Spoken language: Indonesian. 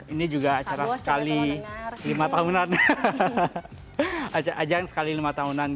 ini juga acara sekali lima tahunan